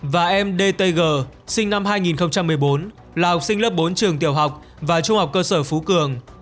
và em dtg sinh năm hai nghìn một mươi bốn là học sinh lớp bốn trường tiểu học và trung học cơ sở phú cường